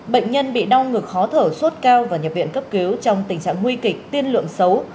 bệnh nhân bị đau ngực khó thở sốt cao và nhập viện cấp cứu trong tình trạng nguy kịch tiên lượng xấu